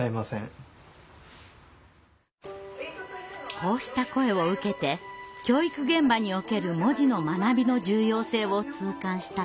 こうした声を受けて教育現場における文字の学びの重要性を痛感した高田さん。